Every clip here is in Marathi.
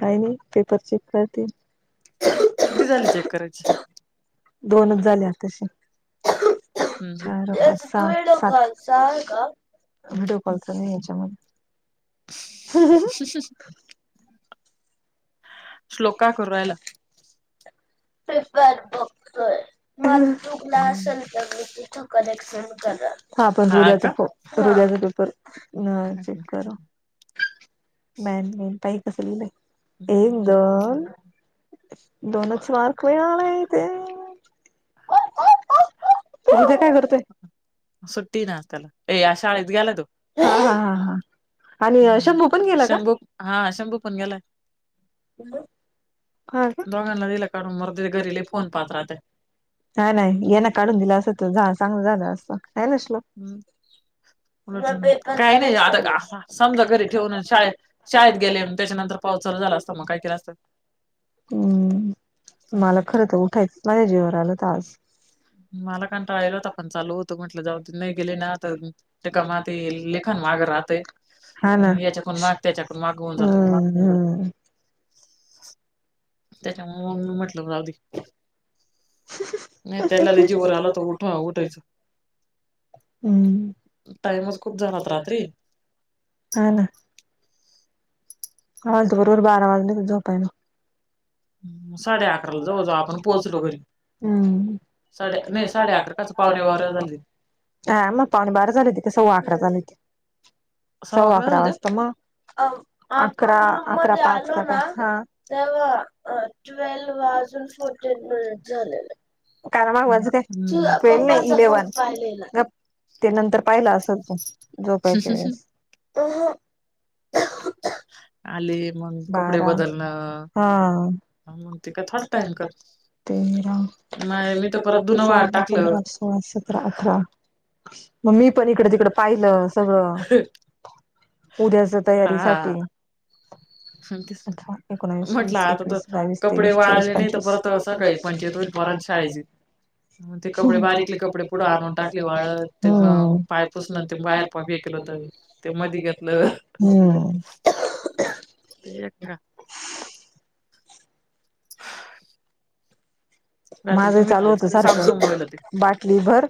काही नाही पेपर चेक करते. दोनच झाले आतासे. त्या तुडकलचा का चां हाय का विडिओ कॉलच नाही मध्ये लोकां ह पेपर बुक्वर माझ चुकलं असेल तर म तिथ कलेक्शन करा हा [unintelligible] तरवल्याचा पेपर चेक करा. ह मॅन मन पाहि कसलीलं ह [unintelligible] उद्या काय करतेय. सुट्टी ना त्याला ए या शाळेत गेला तो. शंभू हा शंभू पण गेला. हो दोघांना दिलं काढून मरु दे घरीले फोन पाहत राहाते. नाही काढू काही नाही आता समजा घरी ठेवून शाळेत शाळेत गेले त्याच्यानंतर पाऊस चालू झाला असत मग काही केल असतं. हम्म मला खरं तर उठायच माझ्या जीवावर आलंत आज. [unintelligible] हां ना. हां हां. [inaudible] [unintelligible] हम्म, टाइमच खूप झाला होता रात्री हा ना. हा बरोबर बारा, वाजले होते झोपायला. साडे अकरा होतं, आपण पोहचलो बाई. साडे नाही, साडे अकरा पावने बाराला. हा मग पावणे बारा झालं होतं का, सव्वा अकरा झालं होती. सव्वा अकरा वासता मग. [unintelligible] अकरा अकरा पाच कां काय, तेव्हा टेल्व वाजून फोर कारण [unintelligible] का टेल्व नाही इलेव्हन गप्प. ते नंतर पाहिलं असलं तु, झोपायच्या वेळेस. अ ह. आले मगं, कपडे बदलणं. हां म्हणते का, थोडा टाईम कर तेरा, सोळा, सतरा, आठरा. मग मी पण इकडं तिकड पाहिलं सगळं, उद्याचं तयारी. साठी. [inaudible] हा तेच ना, म्हटलं आता तर कपडे वाळले नाही तर परत सकाळी पंचायत होईल. पोरांच्या शाळेची, मग ते कपडे बारीकले कपडे पुढं आणून टाकले वाळत. ते पाय पुसनं ते बाहेर फेकलं होतं, ते मधी घेतलं. ते एक का. [inaudible] माझं चालू होतं, सारखं बाटली भर.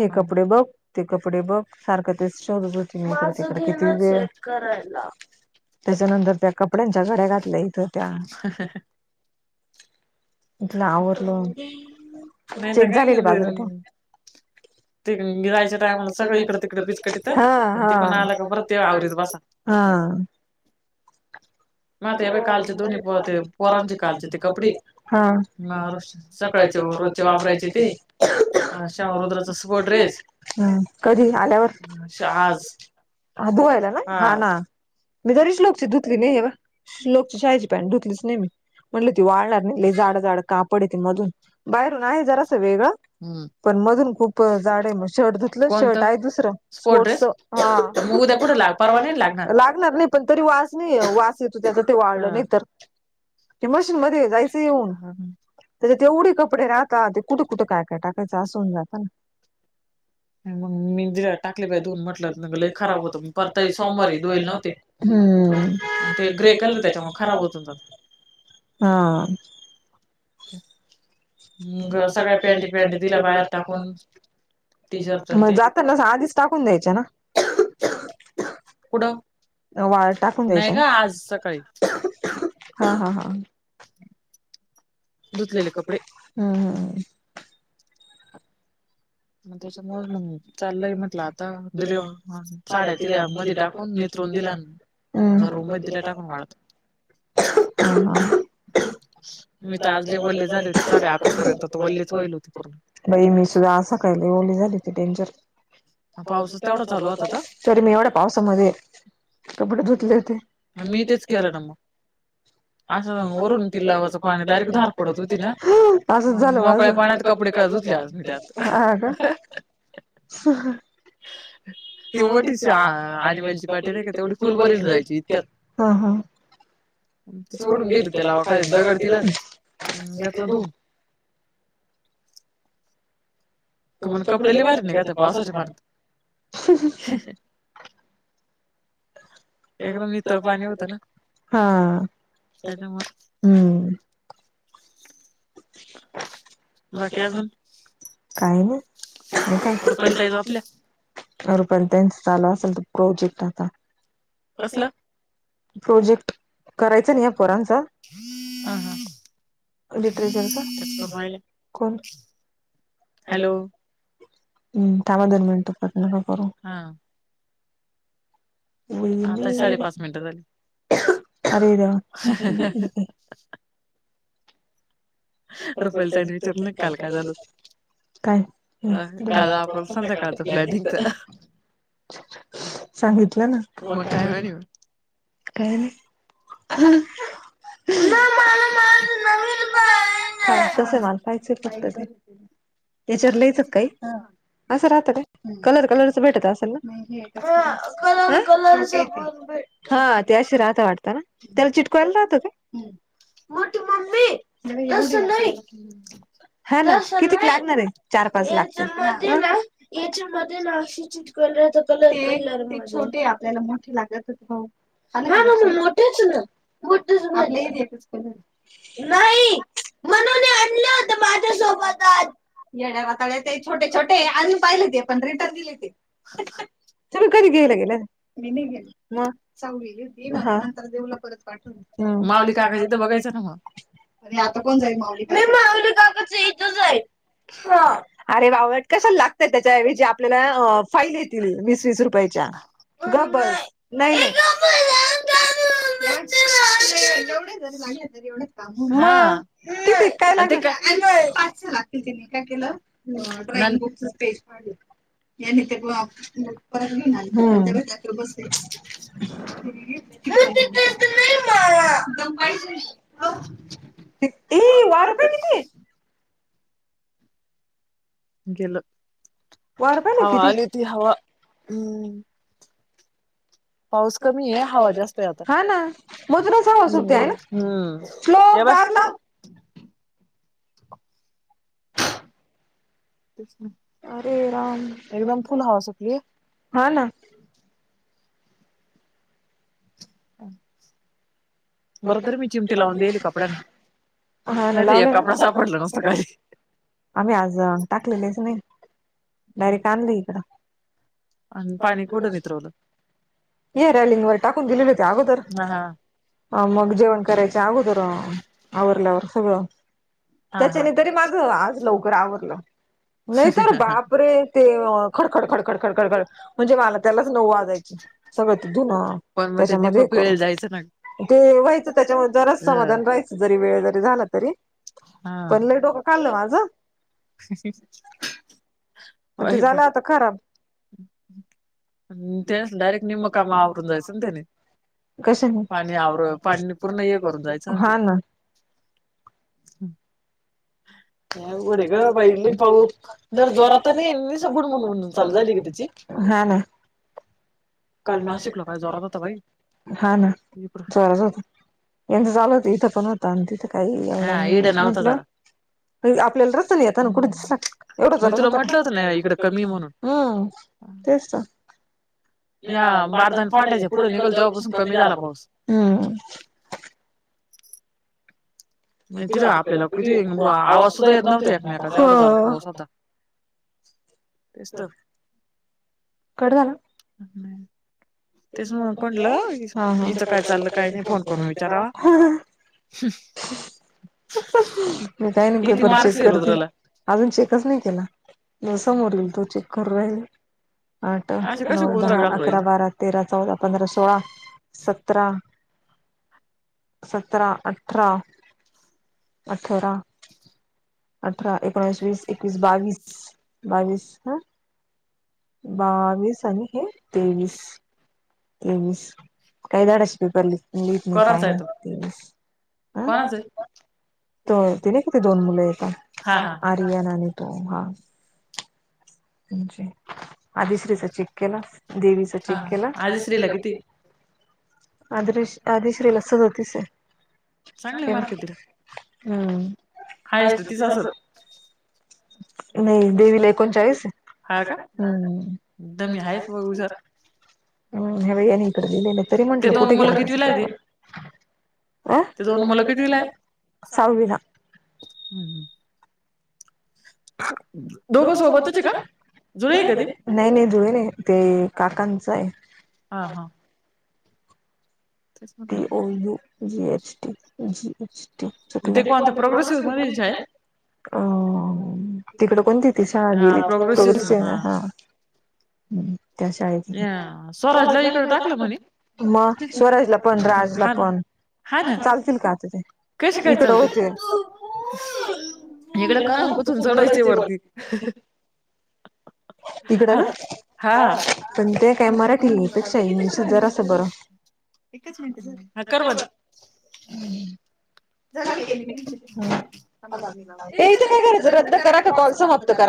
हे कपडे बघ ते कपडे बघ सारखं तेच शोधत होते, मी इकडं तिकडं किती वेळ. करायला. त्यांच्यानंतर त्या कपड्यांच्या घड्या घातल्या इथं त्या. इथलं आवरलो, चेक झालेले बाजूला ठेवं. [inaudible] ते गिळायच्या टायमाला सगळं इकडं तिकडं पिचकटतं आणि, ते कोण आलं की परत ते आवरीत बसा. हा. माझं येवढी कालची ती, पोरांची कालची कपडे. सकाळची मग रोची वापरायची ती. कधी आल्यावर आज. हा धुवायला ना हा ना, मी तरीच श्लोकची धुतली नाहीये. श्लोकची शाळेची पॅन्ट धुतलीच नाही मी, म्हटलं ती वाळणार नाही लई जाड जाडं कापड ये. मधून बाहेरून आहे जरास वेगळं, पण मधून खूप जाड मग शर्ट धु शर्ट आहे दुसर स्पोर्ट्सचं हा, लागणार नाही. पण तरी वास नाही वास येतो त्याचा ते, वाळलं नाही तर ते मशीन मध्ये जायचं हेवून. त्याच्या ऐवढी कपडे राहतात ते कुठे कुठे काय काय टाकायचं असं होऊन जातं ना. [inaudible] मग मी जे टाकली बाई धुवून म्हटलं लई खराब होतं, म परताई सोमवारी धुलाई नव्हते. हम्म हा [unintelligible] मग सगळया पॅन्टी पॅन्टी दिल्या बाहेर टाकून. टी शर्ट आण ते कुुठं नाही गं आज सकाळी हा हा हा धुतलेले कपडे हम्म हम्म मग तेच्यामुळंचं मग चाललंय म्हटलं आता दिल्या हं साड्या दिल्या मध्ये टाकून नित्रोण दिल्यांन अंं रूम मध्ये दिल्या टाकून वाळत. [unintelligible] बाई मी सुध्दा आज सकाळी लई ओली झाले. डेंजर तरी मी येवढ्या पावसामध्ये कपडे धुतले होते. असंच झालं माझं [unintelligible] हा हा तीच ओढून गेली तलावा खाली अन् दगड तीधं घातलं धुवून हो कपडे लई भारी निघत्या पावसाच्या पाण्यात. एकदम नितळ पाणी होतं ना हा त्याच्यामु बाकी अजून काय नाही आणि काय अरे पण त्यांनच चालू असलं तो प्रोजेक्ट आता कसंला प्रोजेक्ट करायचा ना या पोरांचा हं हं लिटरेचरचा कोण हॅलो हम्म थांबा दोन मिनंंट कामदर म्हण तर प्रातना का करू [unintelligible] अरे देवा [unintelligible] काल काय झालं काय [unintelligible] सांगितलं ना का मला माझ नवीन बा [unintelligible] हं तसं मला पाहायचं फक्त ते याच्यावर लेेहायचं का काही हं असं राहत काय कलर कलरच भेटत असंल ना? हा ते आशे राहत्या वाटतं ना त्याला चिटकोयला राहतं काय हं मोठी मम्मी तसं नाही हा ना कितीक लागणार हे चार पाच लागतील याच्यामध्ये असंचि कलर कलरे आपल्याला मोठे लाग मोठे [unintelligible] [unintelligible] नाही म्हणून आणलं होत माझ्यासोबत आज येडया रताळ्या ते छोटे छोटे हे आणून पाहिले ते पण रिटर्न दिले ते तुम्ही कधी गेले गं बाहेर मी नही गेले मगं सौवी गेलती मा नंतर ठेवल परत पासुन माऊली काकाचीथं बघाचं ना मग मग आता कोण जाई माऊली मी माऊली काकाच्या इथं जाईन हा अरे बावळट कशाला लागतय, त्याच्याऐवजी आपल्याला फाईल येतील वीस वीस रुपयाच्या. गबस नाही [unintelligible] एवढे जरी लागले तररी एवढेच थांबून [inaudible] हा ते पाच स लागतील तिने काय केलं. [unintelligible] यांनी ते परत घेऊन आलते जेव त्याच्या [inaudible] ह ए वारपय किती? गेल हवा आली ती हवा हम्म पाऊस कमी आहे, हवा जास्त आहे आता [inaudible] हम्म ए बस. तेच [inaudible] अरे राम, हा ना. हा [inaudible] नॉनव्हेज, हा ना नॉनव्हेज आम्ही आज टाकलेलेच नाही, डायरेक्ट आणली इकडं. आणि पाणी कुठं नितरवलं? ये रॅलिंग वर टाकून दिलेली होते अगोदर अ मग जेवण करायच्या अगोदर आवरल्यावर सगळं. त्याच्याने तरी माझं आज लवकर आवरलं. नाही तर बाप रे ते खड खड खड खड खड खड खड म्हणजे मला त्यालाच नऊ वाजायचे सगळं ति धुन त्याच्यामध्ये हे करून ते व्हायचं त्याच्यामुळे जरा समाधान राहायचं जरी वेळ जरी झाला तरी हा, ‌ [unintelligible] लई डोकं खालं माझं. होय प त्यानेच डायरेक्ट निम्म कामा आवरून जायचं ना त्याने पाणी आवर, पाणी पूर्ण हे करून जायचं ना ते काय ग बाई पाऊस जोरात नाय येत [unintelligible] हा ना हा ना जोरात होत यांचं चालू होत इथं पण होत आणि तिथं काही एवढं [inaudible] म्हटलं आपल्याला रस्त्यानी येताना कोणी दिसलं, एवढ्या जोरांनी आपटलं, हम्म. तेच तर या पाठक फाट्याच्या पुढे निघल जाऊ तेव्हा पासून कमी झाल बघ. म्हण तिथे आपल्याला किती आवाज सुद्धा येत नव्हता एकमेकाचा एवढा जोरात पाऊस होता. तेच तर तेच मग म्हणलं हिच हितं काय चालल, काही नाही फोन करून विचारावा. ह्म्सस् [inaudible] मी काही नाही पेपर चेक करतेय अजून चेकच नाही केला. नई समोरून तो चेक करू राहिले, आठ, नऊ, दहा, अकरा, बारा, तेरा चौदा, पंधरा, सोळा, सतरा सतरा, अठरा अठरा अठरा, एकोणऐशी, एकवीस, बावीस, बावीस हा बावीस आणि हे तेवीस तेवीस, काही धडाचे पेपर लिहित, लिहीत नाही काय नाही तेवीस अं ते ते नायका दोन मुले येतात. आर्यन आणि तो हा त्येनंचे आदिश्रीचा चेक केला, देवीचा चेक केला, अनुश्रीला किती? अदृश, आदिश्रीला सदतीस हाय हम्म [unintelligible] नई देवीला एकोणचाळीस हा का दम मी आहेच [unintelligible] ते दोन मुल कीतविला आहेते? ते दोन मुलं कीतवीला आहे, सहावीला हं [unintelligible] दोघ सोबतचे का?, जुळे आहे का ते?, नाही नाही जुळे नाही ते काकांच आहे. हा हा. P O U G H T G H T चुकलय अ तिकड कोणती ती शाळा गेली ती, प्रोग्रेसिव्ह आहे ना, हा त्या शाळेची, म स्वराजला पण राजला पण, चालतील का आता ते इकडं होते. [unintelligible] इकड कणून-कुथून चढायचय वरती. हात, हा [unintelligible] किती नंबर. [unintelligible] एकच मिनिट धर, हा कर बंद. झाली का एकमेकींशी, थांबा आता मी लावते, ए इथे नाय करायचं रद्द करा का कॉलसचा वापर करा.